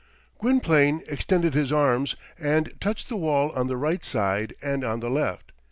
Gwynplaine extended his arms, and touched the wall on the right side and on the left.